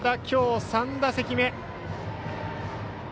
きょう３打席目。